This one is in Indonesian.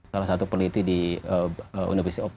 salah satu peneliti di university of